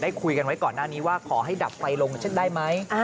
คุยกันไว้ก่อนหน้านี้ว่าขอให้ดับไฟลงเช่นได้ไหม